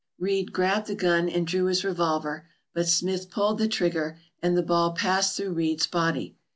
Reid grabbed the gun and drew his revolver, but Smith pulled the trigger and the ball passed through Reid's body.